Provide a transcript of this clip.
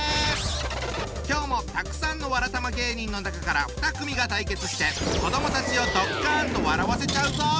今日もたくさんのわらたま芸人の中から２組が対決して子どもたちをドッカンと笑わせちゃうぞ！